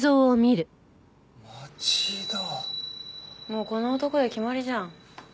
もうこの男で決まりじゃん。